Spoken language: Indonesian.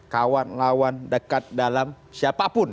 kawan lawan dekat dalam siapapun